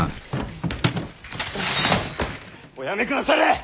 おやめくだされ！